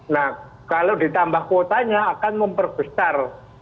nah kalau ditambah kuotanya akan memperbesar